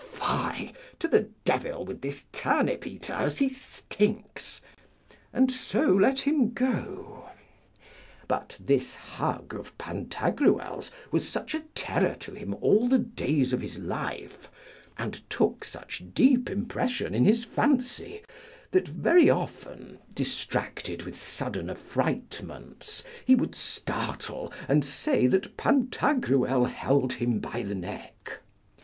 Fie! to the devil with this turnip eater, as he stinks! and so let him go. But this hug of Pantagruel's was such a terror to him all the days of his life, and took such deep impression in his fancy, that very often, distracted with sudden affrightments, he would startle and say that Pantagruel held him by the neck.